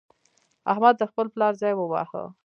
احمد د خپل پلار ځای وواهه.